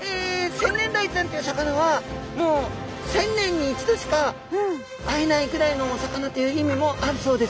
センネンダイちゃんという魚はもう１０００年に１度しか会えないぐらいのお魚という意味もあるそうです。